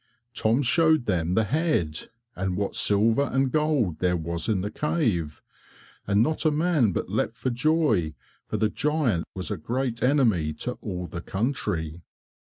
Tom showed them the head, and what silver and gold there was in the cave, and not a man but leapt for joy, for the giant was a great enemy to all the country.